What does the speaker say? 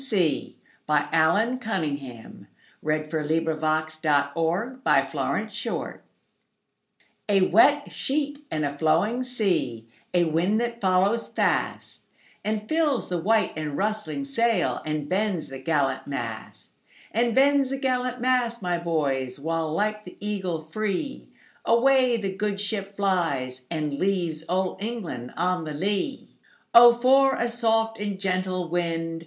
1875. Allan Cunningham CCV. "A wet sheet and a flowing sea" A WET sheet and a flowing sea,A wind that follows fastAnd fills the white and rustling sailAnd bends the gallant mast; And bends the gallant mast, my boys, While like the eagle freeAway the good ship flies, and leavesOld England on the lee."O for a soft and gentle wind!"